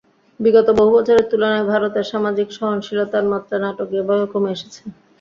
বিগত বহু বছরের তুলনায় ভারতে সামাজিক সহনশীলতার মাত্রা নাটকীয়ভাবে কমে এসেছে।